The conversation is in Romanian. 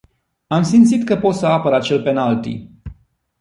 Am simțit că pot să apăr acel penalty.